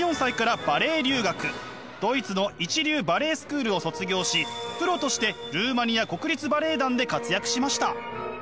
ドイツの一流バレエスクールを卒業しプロとしてルーマニア国立バレエ団で活躍しました。